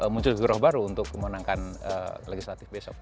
muncul geroh baru untuk memenangkan legislatif besok